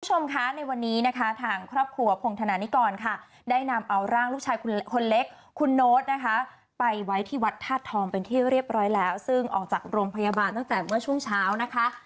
คุณผู้ชมคะในวันนี้นะคะทางครอบครัวพงธนานิกรค่ะได้นำเอาร่างลูกชายคนเล็กคุณโน้ตนะคะไปไว้ที่วัดธาตุทองเป็นที่เรียบร้อยแล้วซึ่งออกจากโรงพยาบาลตั้งแต่เมื่อช่วงเช้านะคะ